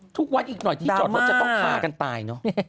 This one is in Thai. ทุกวันอีกหน่อยที่จอดรถจะต้องฆ่ากันตายเนอะ